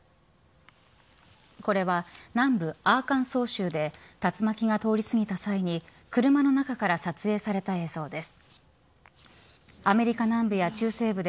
これは南部アーカンソー州で竜巻が通り過ぎた際に車の中から撮影された映像です。